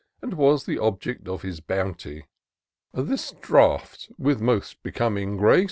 And was the object of his bounty. This draft, with most becoming grace.